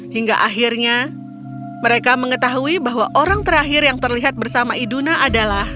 hingga akhirnya mereka mengetahui bahwa orang terakhir yang terlihat bersama iduna adalah